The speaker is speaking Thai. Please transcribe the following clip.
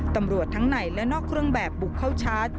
ตำรวจทั้งในและนอกเครื่องแบบบุกเข้าชาร์จ